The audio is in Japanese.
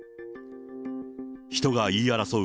人が言い争う